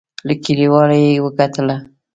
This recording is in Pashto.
له کلیوالو یې وګټله.